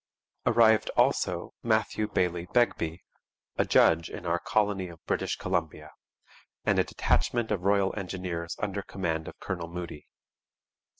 Arrived, also, Matthew Baillie Begbie, 'a Judge in our Colony of British Columbia,' and a detachment of Royal Engineers under command of Colonel Moody.